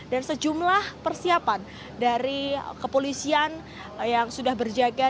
dan sejumlah persiapan dari kepolisian yang sudah berjaga